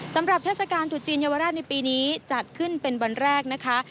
เทศกาลตุจีนเยาวราชในปีนี้จัดขึ้นเป็นวันแรกนะคะ